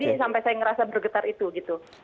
jadi sampai saya ngerasa bergetar itu gitu